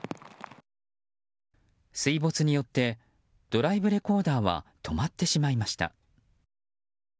水没によってドライブレコーダーは止まってしまいました。